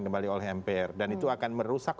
kembali oleh mpr dan itu akan merusak